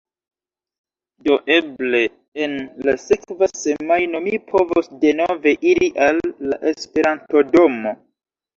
Do eble en la sekva semajno mi povos denove iri al la esperantodomo